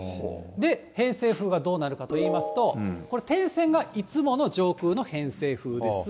で、偏西風がどうなるかといいますと、これ、点線がいつもの上空の偏西風です。